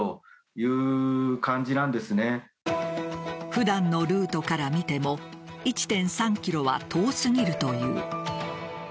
普段のルートから見ても１．３ｋｍは遠すぎるという。